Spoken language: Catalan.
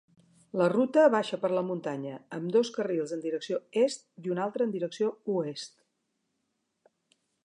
La ruta baixa per la muntanya amb dos carrils en direcció est i un altre en direcció oest.